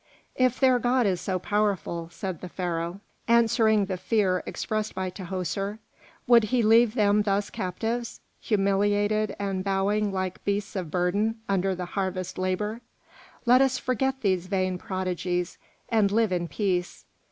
"If their god is so powerful," said the Pharaoh, answering the fear expressed by Tahoser, "would he leave them thus captives, humiliated and bowing like beasts of burden under the harvest labour? Let us forget these vain prodigies and live in peace.